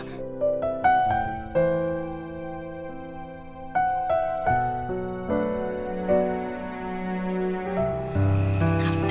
yang penting bagus sembuh